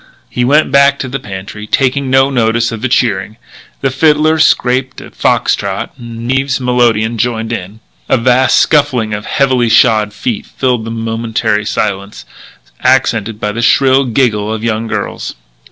He went back to the pantry, taking no notice of the cheering. The fiddler scraped a fox trot, and Eve's melodeon joined in. A vast scuffling of heavily shod feet filled the momentary silence, accented by the shrill giggle of young girls.